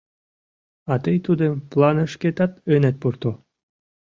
А тый тудым планышкетат ынет пурто.